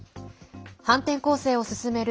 反転攻勢を進める